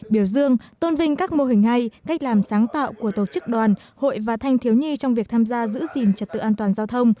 biểu dương tôn vinh các mô hình hay cách làm sáng tạo của tổ chức đoàn hội và thanh thiếu nhi trong việc tham gia giữ gìn trật tự an toàn giao thông